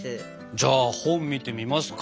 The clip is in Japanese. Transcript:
じゃあ本見てみますか？